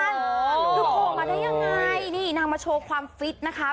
คือโผล่มาได้ยังไงนี่นางมาโชว์ความฟิตนะคะ